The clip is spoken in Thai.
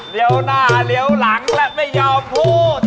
เลี้ยวหน้าเหลี้ยวหลังและไม่ยอมพูด